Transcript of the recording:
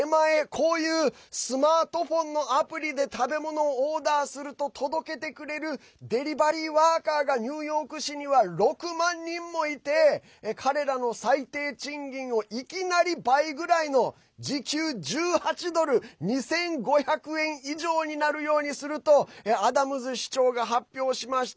こういうスマートフォンのアプリで食べ物をオーダーすると届けてくれるデリバリーワーカーがニューヨーク市には６万人もいて彼らの最低賃金をいきなり倍ぐらいの時給１８ドル＝２５００円以上になるようにするとアダムズ市長が発表しました。